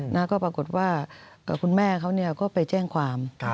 แล้วก็ปรากฏว่ากับคุณแม่เขาก็ไปแจ้งความ